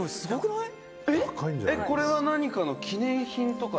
「これは何かの記念品とか？」